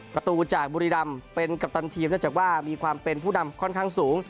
ประตูจากบุรีรำเป็นกัปตันทีมเนื่องจากว่ามีความเป็นผู้นำค่อนข้างสูง